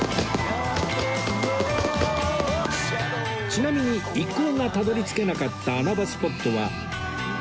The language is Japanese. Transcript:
ちなみに一行がたどり着けなかった穴場スポットは